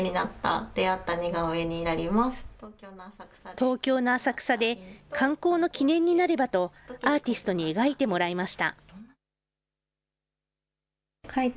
東京の浅草で、観光の記念になればと、アーティストに描いてもらいました。